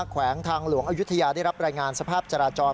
แขวงทางหลวงอายุทยาได้รับรายงานสภาพจราจร